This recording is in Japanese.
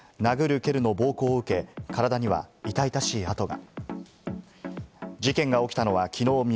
殴る蹴るの暴行を受け、体には痛々しい痕が。